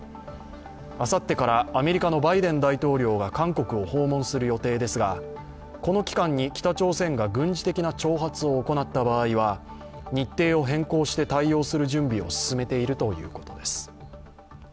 あさってからアメリカのバイデン大統領が韓国を訪問する予定ですがこの期間に北朝鮮が軍事的な挑発を行った場合は日程を変更して対応する準備を進めているということです。